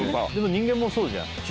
人間もそうじゃん。